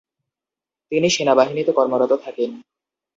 তিনি সেনাবাহিনীতে কর্মরত থাকেন।